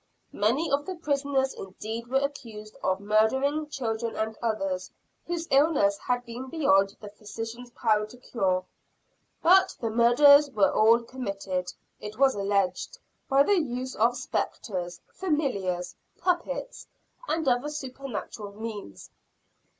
Many of the prisoners indeed were accused of murdering children and others, whose illness had been beyond the physician's power to cure; but the murders were all committed, it was alleged, by the use of "spectres," "familiars," "puppets," and other supernatural means.